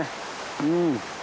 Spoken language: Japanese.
うん。